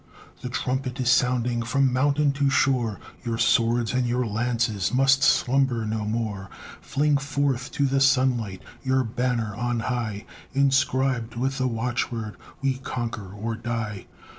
The trumpet is sounding from mountain to shore, Your swords and your lances must slumber no more, Fling forth to the sunlight your banner on high, Inscribed with the watchword, "We conquer or die."